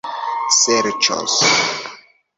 serĉos